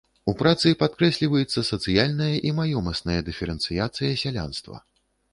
У працы падкрэсліваецца сацыяльная і маёмасная дыферэнцыяцыя сялянства.